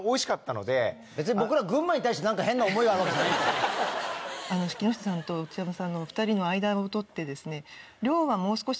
別に僕ら。木下さんと内山さんのお２人の間を取ってですね。